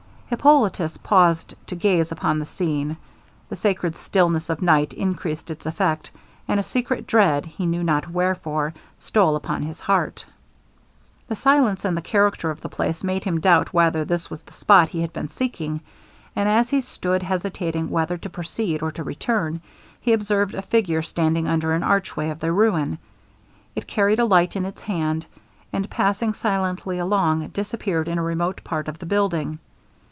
Hippolitus paused to gaze upon the scene; the sacred stillness of night increased its effect, and a secret dread, he knew not wherefore, stole upon his heart. The silence and the character of the place made him doubt whether this was the spot he had been seeking; and as he stood hesitating whether to proceed or to return, he observed a figure standing under an arch way of the ruin; it carried a light in its hand, and passing silently along, disappeared in a remote part of the building.